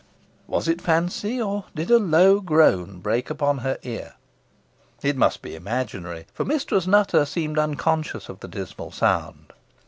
Was it fancy, or did a low groan break upon her ear? It must be imaginary, for Mistress Nutter seemed unconscious of the dismal sound.